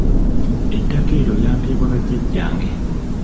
Ettaka eryo lyampeebwa bajjajjange.